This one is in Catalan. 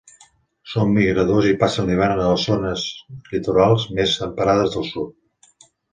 Són migradors i passen l'hivern en zones litorals més temperades del sud.